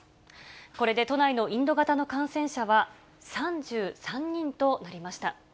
これで都内のインド型の感染者は３３人となりました。